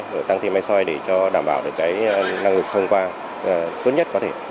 tăng cường thêm máy xoay để đảm bảo năng lực thông qua tốt nhất có thể